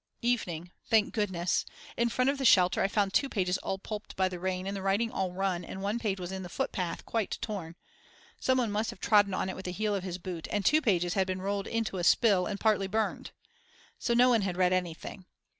Evening. Thank goodness! In front of the shelter I found 2 pages all pulped by the rain and the writing all run and one page was in the footpath quite torn. Someone must have trodden on it with the heel of his boot and 2 pages had been rolled into a spill and partly burned. So no one had read anything.